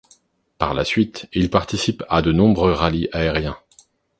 Par la suite, il participe à de nombreux rallyes aériens.